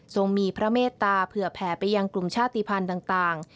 ส่งมีพระเมตตาเผื่อแผ่ไปยังกลุ่มชาติภัณฑ์ต่าง